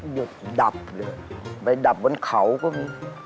หยุดดับเลยไปดับบนเขาก็มี